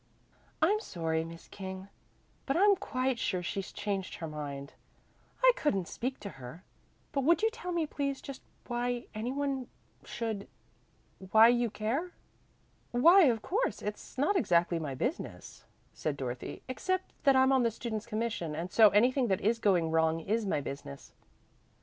"I'm sorry, Miss King, but I'm quite sure she's changed her mind. I couldn't speak to her; but would you tell me please just why any one should why you care?" "Why, of course, it's not exactly my business," said Dorothy, "except that I'm on the Students' Commission, and so anything that is going wrong is my business.